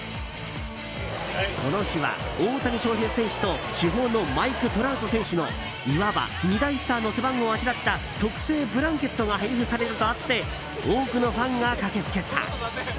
この日は大谷翔平選手と主砲のマイク・トラウト選手のいわば二大スターの背番号をあしらった特製ブランケットが配布されるとあって多くのファンが駆け付けた。